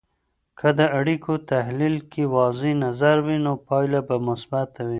که د اړیکو تحلیل کې واضح نظر وي، نو پایله به مثبته وي.